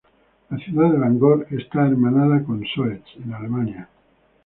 La ciudad de Bangor está hermanada con Soest, en Alemania.